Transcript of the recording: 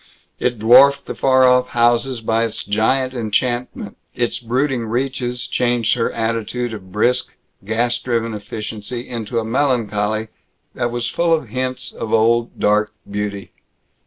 It dwarfed the far off houses by its giant enchantment; its brooding reaches changed her attitude of brisk, gas driven efficiency into a melancholy that was full of hints of old dark beauty.